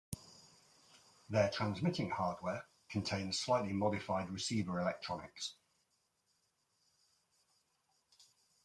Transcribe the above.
Their transmitting hardware contains slightly modified receiver electronics.